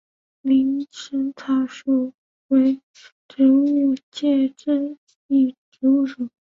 林石草属为植物界之一植物属。